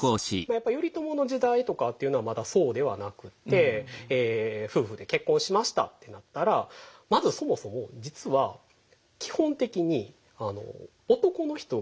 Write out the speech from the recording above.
やっぱり頼朝の時代とかっていうのはまだそうではなくって夫婦で結婚しましたってなったらまずそもそも実は基本的に男の人が女性のところに婿入りするんですよ。